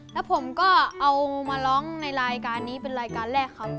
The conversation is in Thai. แล้วผมก็เอามาร้องในรายการนี้เป็นรายการแรกครับ